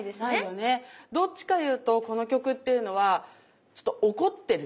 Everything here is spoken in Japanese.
どっちかいうとこの曲っていうのはちょっと怒ってる。